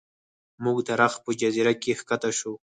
موږ د رخ په جزیره کې ښکته شو.